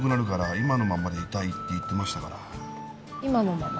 「今のままでいたい」って言ってましたから今のまま？